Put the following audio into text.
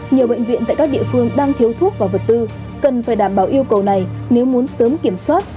nhiều bệnh viện tại các địa phương đang thiếu thuốc và vật tư cần phải đảm bảo yêu cầu này nếu muốn sớm kiểm soát